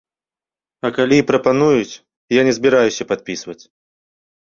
А калі і прапануюць, я не збіраюся падпісваць.